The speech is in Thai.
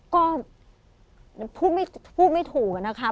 ก็พูดไม่ถูกอะนะคะ